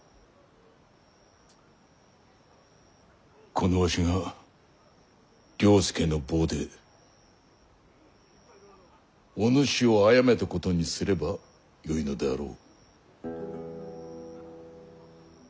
このわしが了助の棒でお主をあやめたことにすればよいのであろう？